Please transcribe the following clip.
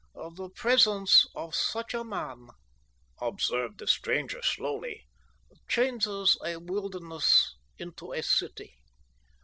"The presence of such a man," observed the stranger slowly, "changes a wilderness into a city.